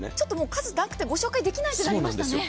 数なくてご紹介できないくらになりましたね。